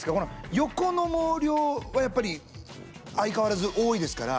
横の毛量はやっぱり相変わらず多いですから。